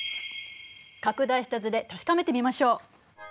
拡大した図で確かめてみましょう。